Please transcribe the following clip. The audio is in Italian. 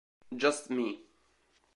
Just Me